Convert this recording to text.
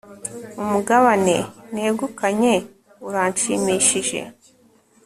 umugabane negukanye uranshimishije